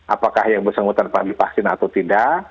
apakah yang bersangkutan terhadap vaksin atau tidak